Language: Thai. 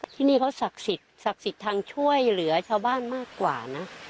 ที่นี่เขาศักดิ์สิทธิ์ทางช่วยเหลือชาวบ้านมากกว่านะ